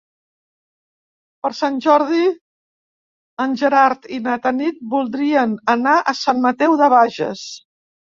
Per Sant Jordi en Gerard i na Tanit voldrien anar a Sant Mateu de Bages.